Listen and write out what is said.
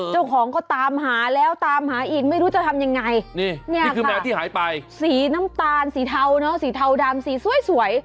เจ้าของก็ตามหาแล้วตามหาอีกไม่รู้จะทำยังไงนี่คือแมวที่หายไปสีน้ำตาลสีเทาเนอะสีเทาดำสีสวย